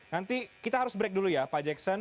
nanti kita harus break dulu ya pak jackson